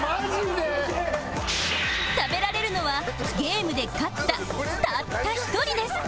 食べられるのはゲームで勝ったたった一人です